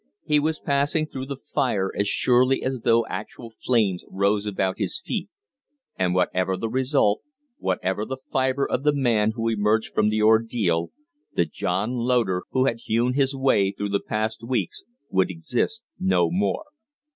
He was passing through the fire as surely as though actual flames rose about his feet; and whatever the result, whatever the fibre of the man who emerged from the ordeal, the John Loder who had hewn his way through the past weeks would exist no more.